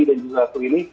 dan juga klinis